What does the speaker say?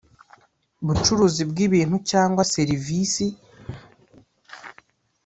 bucuruzi bw ibintu cyangwa serivisi